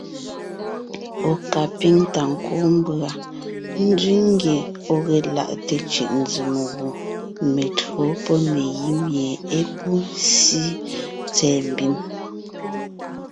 Ɔ̀ ka píŋ ta kúu mbʉ̀a nzẅíŋ ngye ɔ̀ ge laʼte cʉ̀ʼnzèm gù metÿǒ pɔ́ megǐ mie é pú síi tsɛ̀ɛ mbim.s.